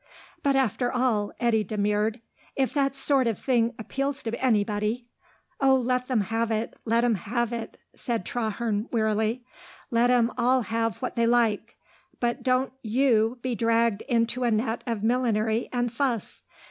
"But after all," Eddy demurred, "if that sort of thing appeals to anybody...." "Oh, let 'em have it, let 'em have it," said Traherne wearily. "Let 'em all have what they like; but don't you be dragged into a net of millinery and fuss.